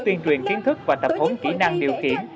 tuyên truyền kiến thức và tập hốn kỹ năng điều khiển